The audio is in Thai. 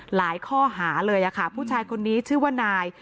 หลายข้อหาเลยค่ะผู้ชายคนนี้ชื่อว่านาย